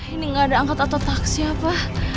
ini gak ada angkat atau taksi apa